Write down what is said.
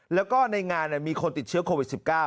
แล้วก็ในงานมีคนติดเชื้อโควิด๑๙